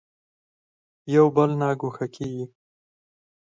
یو بل نه ګوښه کېږي.